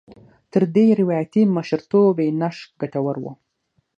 تر دې روایاتي مشرتوب یې نقش ګټور و.